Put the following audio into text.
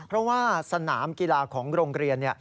เพราะว่าสนามกีฬาของโรงเรียน